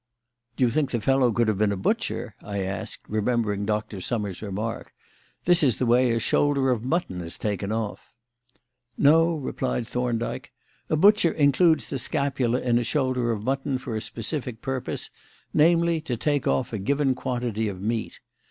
"Do you think the fellow could have been a butcher?" I asked, remembering Dr. Summers' remark. "This is the way a shoulder of mutton is taken off." "No," replied Thorndyke. "A butcher includes the scapula in a shoulder of mutton for a specific purpose, namely, to take off a given quantity of meat.